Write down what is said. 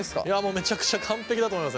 めちゃくちゃ完璧だと思います。